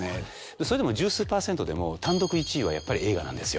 それでも１０数％でも単独１位はやっぱり映画なんですよ。